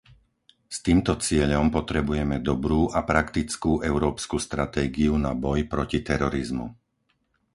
S týmto cieľom potrebujeme dobrú a praktickú európsku stratégiu na boj proti terorizmu.